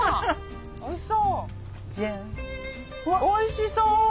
おいしそう。